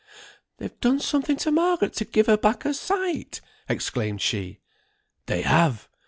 "They've done something to Margaret to give her back her sight!" exclaimed she. "They have.